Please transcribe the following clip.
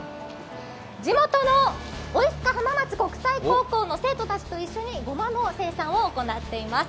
地元のオイスカ浜松国際高校の生徒たちと一緒にごまの生産を行っています。